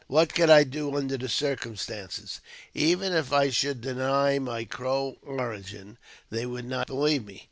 What could I do under the circumstances ? Even if I should deny my Crow origin, they would not believe me.